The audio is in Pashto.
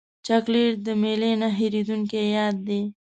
چاکلېټ د میلې نه هېرېدونکی یاد دی.